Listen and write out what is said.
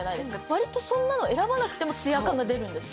わりとそんなの選ばなくてもツヤ感が出るんです。